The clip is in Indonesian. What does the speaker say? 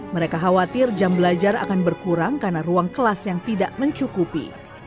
mereka khawatir jam belajar akan berkurang karena ruang kelas yang tidak mencukupi